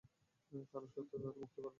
কারণ সত্য তাদের মুক্ত করবে।